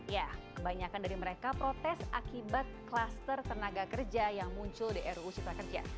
ya kebanyakan dari mereka protes akibat klaster tenaga kerja yang muncul di ruu cipta kerja